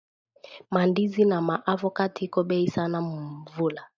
Ma ndizi, na ma avocat iko bei sana mu mvula